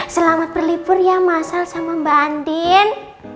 selamat berlibur ya masal sama mbak andin